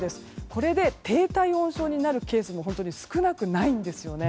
これで低体温症になるケースも本当に少なくないんですよね。